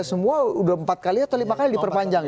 semua sudah empat kali atau lima kali diperpanjang